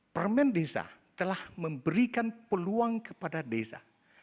permen desa telah memberikan peluang kepada desa